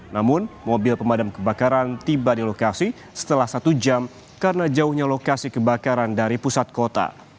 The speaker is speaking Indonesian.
namun mobil pemadam kebakaran tiba di lokasi setelah satu jam karena jauhnya lokasi kebakaran dari pusat kota